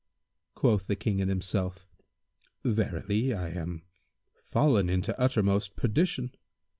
Quoth the King in himself, "Verily, I am fallen into uttermost perdition."